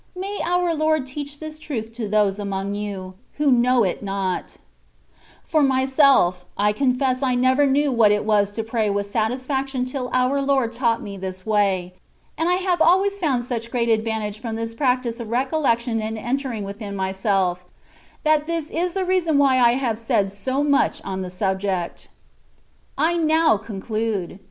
May our Lord teach this truth to those among you, who know it not ; for myself, I confess I never knew what it was to pray with satisfaction till our Lord taught me this way ; and I have always found such great advantage from this practice of recollection and entering within myself, that this is the reason why I have said so much on the subject. I now conclude.